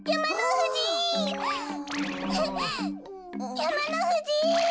やまのふじ！